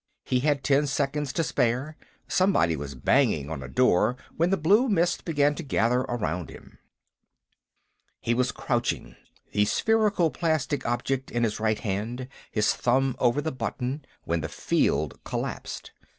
He had ten seconds to spare; somebody was banging on a door when the blue mist began to gather around him. He was crouching, the spherical plastic object in his right hand, his thumb over the button, when the field collapsed.